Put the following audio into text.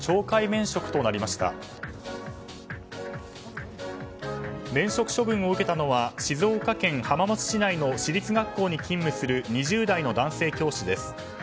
免職処分を受けたのは静岡県浜松市内の市立学校に勤務する２０代の男性教師です。